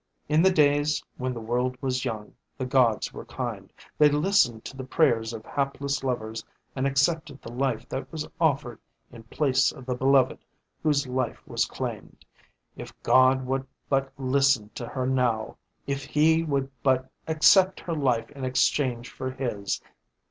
In the days when the world was young the gods were kind, they listened to the prayers of hapless lovers and accepted the life that was offered in place of the beloved whose life was claimed. If God would but listen to her now. If He would but accept her life in exchange for his.